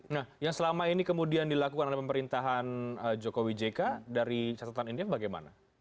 nah yang selama ini kemudian dilakukan oleh pemerintahan jokowi jk dari catatan indef bagaimana